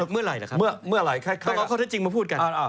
เมื่อไหร่ละรับครับเราลองเข้าจริงมาพูดกัน